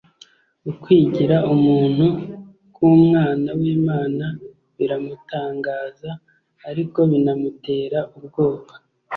Ukwigira Umuntu k'Umwana w'Imana biramutangaza, ariko binamutera ubwoba.